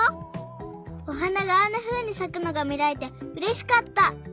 おはながあんなふうにさくのがみられてうれしかった。